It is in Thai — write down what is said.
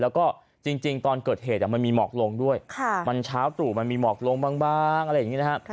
แล้วก็จริงตอนเกิดเหตุมันมีหมอกลงด้วยมันเช้าตรู่มันมีหมอกลงบ้างอะไรอย่างนี้นะครับ